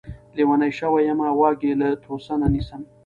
لېونے شوے يمه واګې له توسنه نيسم